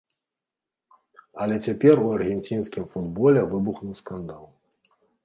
Але цяпер у аргенцінскім футболе выбухнуў скандал.